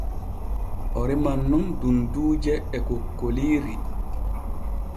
O reman nun dunduuje e kokkoliiri.